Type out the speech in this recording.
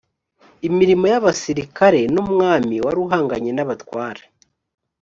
imirimo y abasirikare n umwami wari uhanganye n abatware